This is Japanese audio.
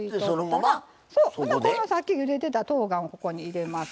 このさっきゆでてたとうがんをここに入れます。